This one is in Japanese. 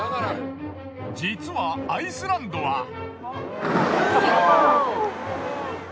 実はアイスランドは。